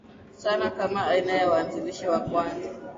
sana Kama aina za waanzilishi ya kwanza